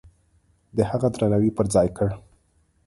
د هغه درناوی پرځای کړ.